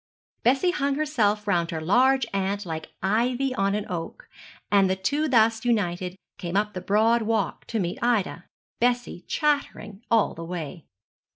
Bessie hung herself round her large aunt like ivy on an oak, and the two thus united came up the broad walk to meet Ida, Bessie chattering all the way.